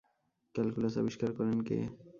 Calculus আবিষ্কার করেন কে?